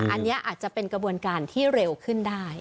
อันนี้อาจจะเป็นกระบวนการที่เร็วขึ้นได้